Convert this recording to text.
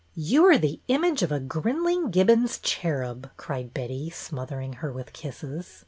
You are the image of a Grinling Gibbon's cherub," cried Betty, smothering her with kisses.